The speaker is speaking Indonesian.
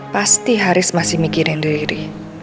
pasti haris masih mikirin diri